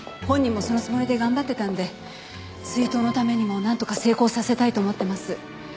本人もそのつもりで頑張ってたんで追悼のためにもなんとか成功させたいと思ってます。